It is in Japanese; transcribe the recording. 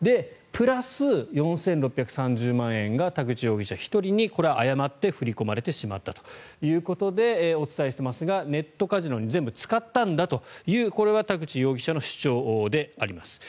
プラス４６３０万円が田口容疑者１人にこれは誤って振り込まれてしまったということでお伝えしていますがネットカジノに全部使ったんだという田口容疑者の主張です。